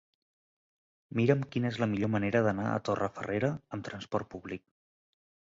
Mira'm quina és la millor manera d'anar a Torrefarrera amb trasport públic.